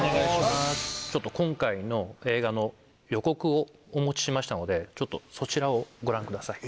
今回の映画の予告をお持ちしましたのでそちらをご覧ください。